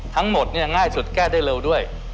ทั้งหมดเนี่ยง่ายสุดแก้ได้เร็วด้วย